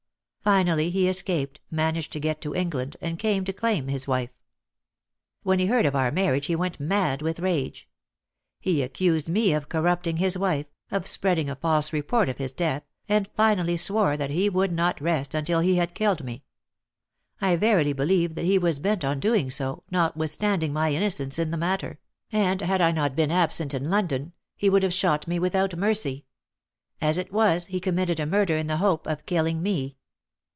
Finally he escaped, managed to get to England, and came to claim his wife. When he heard of our marriage he went mad with rage. He accused me of corrupting his wife, of spreading a false report of his death, and finally swore that he would not rest until he had killed me. I verily believe that he was bent on doing so, notwithstanding my innocence in the matter; and had I not been absent in London, he would have shot me without mercy. As it was, he committed a murder in the hope of killing me.